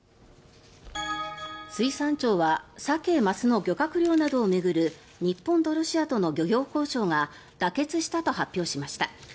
水産省はサケ・マスの漁獲量などを巡る日本とロシアとの漁業交渉が妥結したと発表しました。